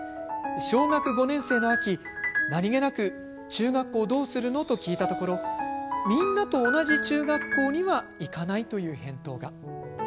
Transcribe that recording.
小学５年生の秋、何気なく中学校どうするのと聞いたところみんなと同じ中学校には行かないという返答が。